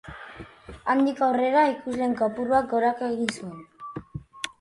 Handik aurrera ikusleen kopuruak goraka egin zuen.